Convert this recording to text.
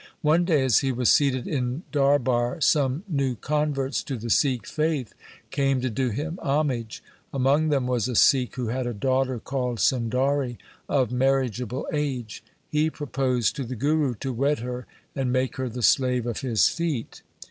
One day as he was seated in darbar some new converts to the Sikh faith came to do him homage. Among them was a Sikh, who had a daughter called Sundari, of marriageable age. He proposed to the Guru to wed her and make her the slave of his feet.